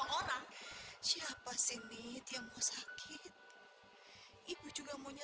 aku tahu tapi aku lagi butuh uang